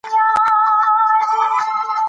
کافي خوب د کولمو فعالیت ښه کوي.